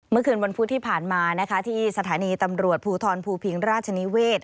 เมื่อคืนวันพุธที่ผ่านมานะคะที่สถานีตำรวจภูทรภูพิงราชนิเวศ